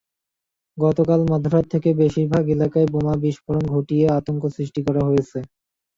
গতকাল মধ্যরাত থেকে বেশির ভাগ এলাকায় বোমা বিস্ফোরণ ঘটিয়ে আতঙ্ক সৃষ্টি করা হয়েছে।